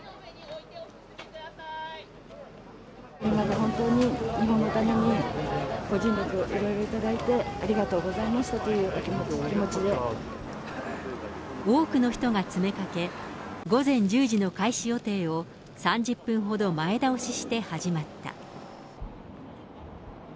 今まで本当に、日本のためにご尽力頂いて、ありがとうございましたという気持ち多くの人が詰めかけ、午前１０時の開始予定を３０分ほど前倒しして始まった。